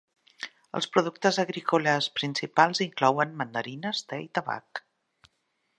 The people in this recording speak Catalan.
Els productes agrícoles principals inclouen mandarines, te i tabac.